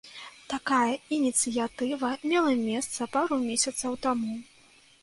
Такая ініцыятыва мела месца пару месяцаў таму.